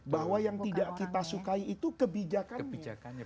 bahwa yang tidak kita sukai itu kebijakan kebijakannya